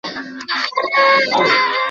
এটি হবে মূলত অ্যাপ্লিকেশন।